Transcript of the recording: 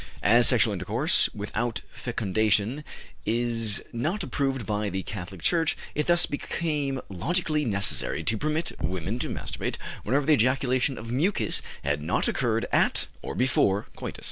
As sexual intercourse without fecundation is not approved by the Catholic Church, it thus became logically necessary to permit women to masturbate whenever the ejaculation of mucus had not occurred at or before coitus.